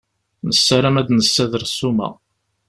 Nessaram ad d-nssader ssuma.